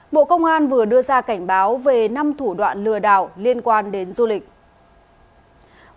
bộ công an vừa đưa ra cảnh báo về năm thủ đoạn lừa đảo liên quan đến du lịch